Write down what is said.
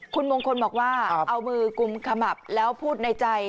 คุณมงคลบอกว่าเอามือกุมขมับแล้วพูดในใจ